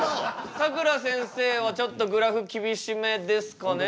さくらせんせいはちょっとグラフ厳しめですかね？